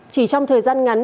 chỉ trong thời gian ngắn